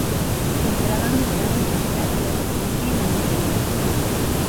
O Emperador declarou que a cidade debe resistir e non renderse.